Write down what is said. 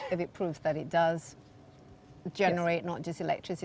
ini menghasilkan tidak hanya elektrik